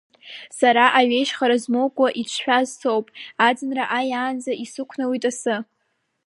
Сара аҩежьха змоукәа иҿшәаз соуп, аӡынра ааиаанӡа исықәнаут асы.